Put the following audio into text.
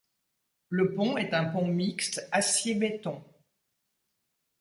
Le pont est un pont mixte acier-béton.